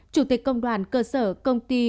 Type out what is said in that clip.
chủ tịch công đoàn cơ sở công ty